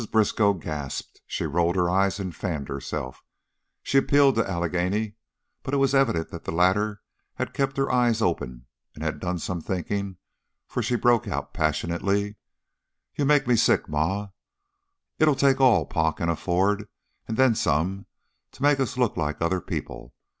Briskow gasped, she rolled her eyes and fanned herself; she appealed to Allegheny, but it was evident that the latter had kept her eyes open and had done some thinking, for she broke out, passionately: "You make me sick, Ma! It'll take all Pa can afford, and then some, to make us look like other people.